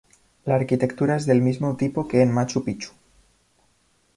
La arquitectura es del mismo tipo que en Machu Picchu.